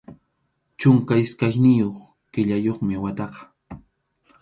Chunka iskayniyuq killayuqmi wataqa.